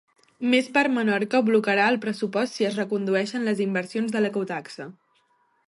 Més per Menorca blocarà el pressupost si es recondueixen les inversions de l'ecotaxa.